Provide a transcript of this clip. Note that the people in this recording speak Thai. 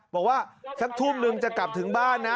บอกว่าสักทุ่มนึงจะกลับถึงบ้านนะ